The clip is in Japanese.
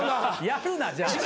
やるなじゃあ。